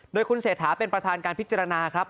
โดยคุณเศรษฐาเป็นประธานการพิจารณาครับ